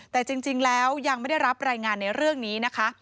แต่จริงแล้วยังไม่ได้รับรายงานในเรื่องนี้นะคะ